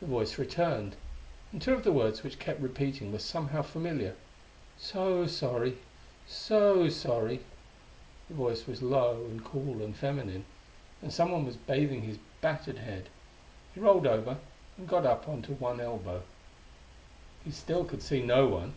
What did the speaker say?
The Voice returned, and two of the words which kept repeating were somehow familiar. "So sorry ... so sorry...." The Voice was low and cool and feminine. And someone was bathing his battered head.... He rolled over and got up on one elbow. He still could see no one.